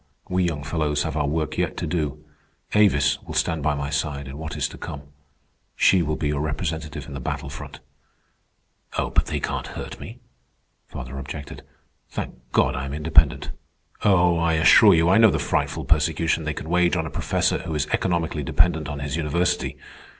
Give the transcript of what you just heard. We young fellows have our work yet to do. Avis will stand by my side in what is to come. She will be your representative in the battle front." "But they can't hurt me," father objected. "Thank God I am independent. Oh, I assure you, I know the frightful persecution they can wage on a professor who is economically dependent on his university.